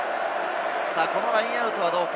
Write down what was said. このラインアウトはどうか？